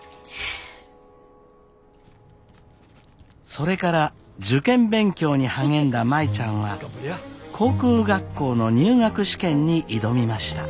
それから受験勉強に励んだ舞ちゃんは航空学校の入学試験に挑みました。